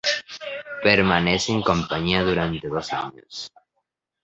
Permanece en campaña durante dos años.